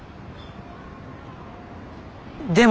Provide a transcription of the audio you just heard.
でも。